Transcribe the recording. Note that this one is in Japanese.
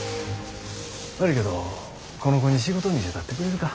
悪いけどこの子に仕事見せたってくれるか。